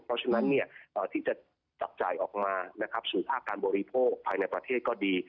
เพราะฉะนั้นที่จะจับจ่ายออกมานะครับสู่ภาคการบริโภคภายในประเทศก็ดี